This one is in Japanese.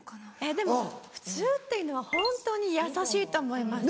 でも「普通」って言うのはホントに優しいと思います。